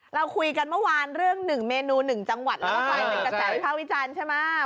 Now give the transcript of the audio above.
เราคุยกันเมื่อวานเรื่องหนึ่งเมนูหนึ่งจังหวัดแล้วก็ไปหนึ่งกระจายพระวิจันทร์ใช่ไหม